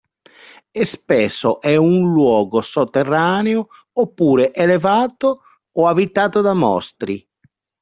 Spesso è un luogo sotterraneo, oppure elevato, o abitato da mostri.